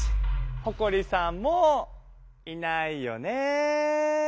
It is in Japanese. ほこりさんもういないよね。